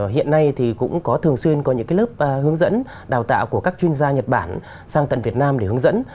hiện nay thì cũng có thường xuyên có những lớp hướng dẫn đào tạo của các chuyên gia nhật bản sang tận việt nam để hướng dẫn